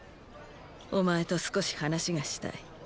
お前と少し話がしたい。